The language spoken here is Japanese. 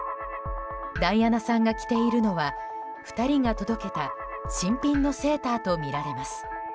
ダイアナさんが着ているのは２人が届けた新品のセーターとみられます。